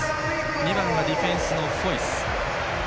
２番がディフェンスのフォイス。